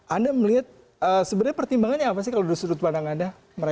anda melihat sebenarnya pertimbangannya apa sih kalau dari sudut pandang anda